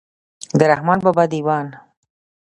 د رحمان بابا دېوان.